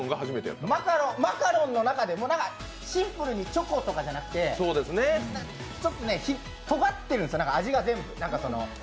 マカロンの中でも、シンプルにチョコとかじゃなくてちょっとね、とがってるんですよ、味が全部。